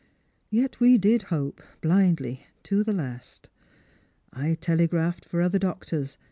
Yet we did hope — blindly — to the last. I telegraphed for other doctors.